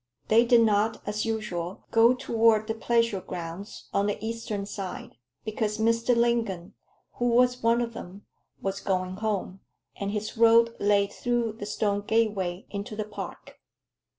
They did not, as usual, go toward the pleasure grounds on the eastern side, because Mr. Lingon, who was one of them, was going home, and his road lay through the stone gateway into the park.